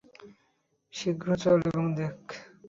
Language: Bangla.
শীঘ্র চল এবং দেখ।